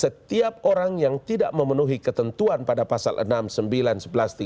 setiap orang yang tidak memenuhi ketentuan pada pasal enam sembilan sebelas tiga belas dan lima belas